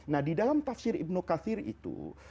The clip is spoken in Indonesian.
nah di dalam tafsir ibnu kafir itu